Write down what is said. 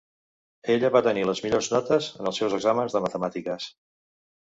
Ella va tenir les millors notes en els seus exàmens de matemàtiques.